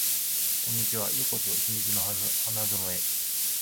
こんにちは。ようこそ秘密の花園へ